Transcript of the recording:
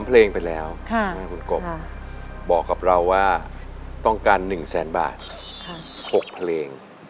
๓เพลงไปแล้วบอกกับเราว่าต้องการ๑๐๐๐๐๐บาท๖เพลง